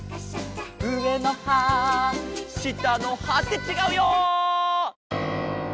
「うえのはしたのは」ってちがうよ！